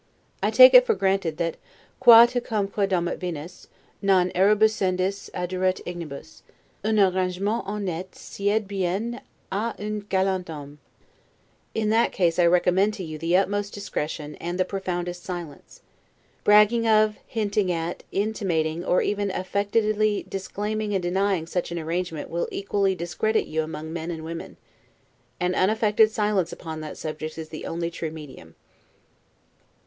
I take it for granted, that 'qua to cumque domat Venus, non erubescendis adurit ignibus. Un arrangement honnete sied bien a un galant homme'. In that case I recommend to you the utmost discretion, and the profoundest silence. Bragging of, hinting at, intimating, or even affectedly disclaiming and denying such an arrangement will equally discredit you among men and women. An unaffected silence upon that subject is the only true medium.